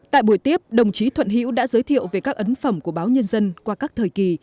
tại buổi tiếp đồng chí thuận hữu đã giới thiệu về các ấn phẩm của báo nhân dân qua các thời kỳ